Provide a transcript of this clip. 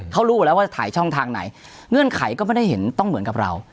เขารู้อยู่แล้วว่าจะถ่ายช่องทางไหนเงื่อนไขก็ไม่ได้เห็นต้องเหมือนกับเรา